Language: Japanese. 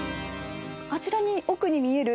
あちらに奥に見える